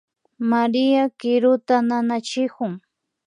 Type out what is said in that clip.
María kiruta nanachikun